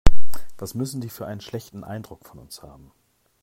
Was müssen die für einen schlechten Eindruck von uns haben.